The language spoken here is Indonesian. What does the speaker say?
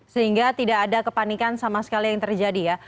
sehingga tidak ada kepanikan sama sekali yang terjadi ya